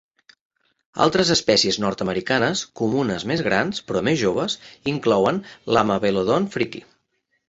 Altres espècies nord-americanes comunes més grans però més joves inclouen l'"Amebelodon fricki".